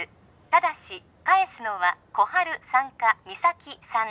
ただし返すのは心春さんか実咲さん